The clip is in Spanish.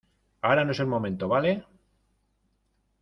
ahora no es el momento, ¿ vale?